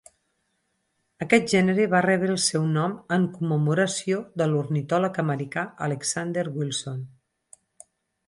Aquest gènere va rebre el seu nom en commemoració de l'ornitòleg americà Alexander Wilson.